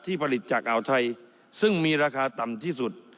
ผลิตจากอ่าวไทยซึ่งมีราคาต่ำที่สุด